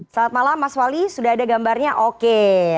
selamat malam mas wali sudah ada gambarnya oke